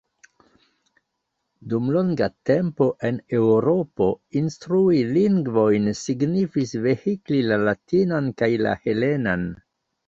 Dum longa tempo en Eŭropo instrui lingvojn signifis vehikli la latinan kaj la helenan.